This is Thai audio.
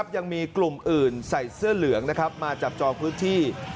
ยังมีกลุ่มอื่นใส่เสื้อเหลืองมาจับจองพื้นที่